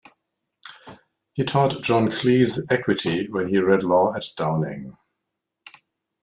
He taught John Cleese Equity when he read law at Downing.